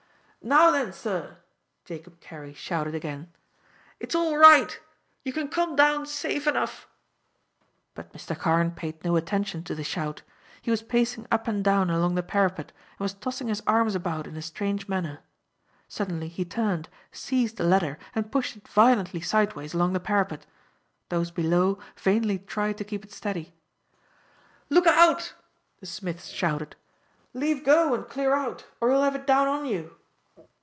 "Now then, sir," Jacob Carey shouted again, "it's all right. You can come down safe enough." But Mr. Carne paid no attention to the shout; he was pacing up and down along the parapet and was tossing his arms about in a strange manner. Suddenly he turned, seized the ladder, and pushed it violently sideways along the parapet. Those below vainly tried to keep it steady. "Look out!" the smith shouted, "leave go and clear out, or he will have it down on you."